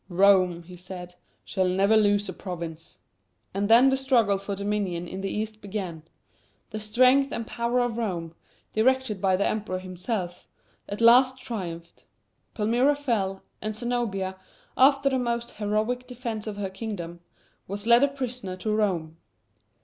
"Rome," he said, "shall never lose a province." And then the struggle for dominion in the East began. The strength and power of Rome, directed by the Emperor himself, at last triumphed. Palmyra fell, and Zenobia, after a most heroic defence of her kingdom, was led a prisoner to Rome.